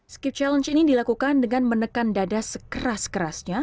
skip challenge ini dilakukan dengan menekan dada sekeras kerasnya